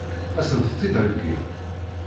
Ad sent-tt-id-heggin?